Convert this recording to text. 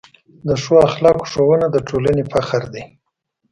د ښو اخلاقو ښوونه د ټولنې فخر دی.